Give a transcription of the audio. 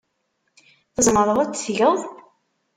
Tzemreḍ ad t-tgeḍ.